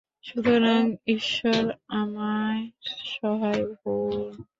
সুতরাং, ঈশ্বর আমার সহায় হউন।